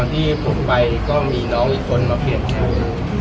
ตอนที่ผมไปก็มีน้องอีกคนมาแข่ง